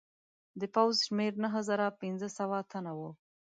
د پوځ شمېر نهه زره پنځه سوه تنه وو.